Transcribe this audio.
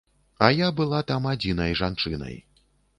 А я была там адзінай жанчынай.